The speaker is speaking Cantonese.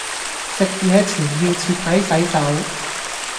食野前要徹底洗手